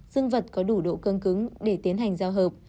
dương vật có đủ độ cương cứng để tiến hành giao hợp